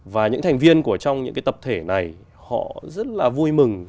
và những thành viên của trong những cái tập thể này họ rất là vui mừng